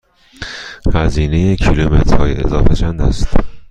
هزینه کیلومترهای اضافه چند است؟